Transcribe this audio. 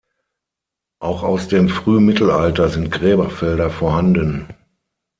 Auch aus dem Frühmittelalter sind Gräberfelder vorhanden.